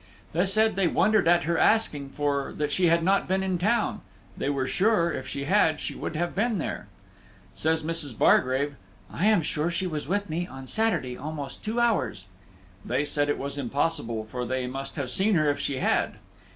They said they wondered at her asking, for that she had not been in town; they were sure, if she had, she would have been there. Says Mrs. Bargrave, "I am sure she was with me on Saturday almost two hours." They said it was impossible, for they must have seen her if she had.